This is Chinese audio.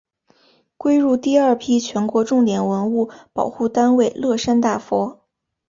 归入第二批全国重点文物保护单位乐山大佛。